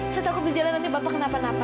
saya takut gejala nanti bapak kenapa napa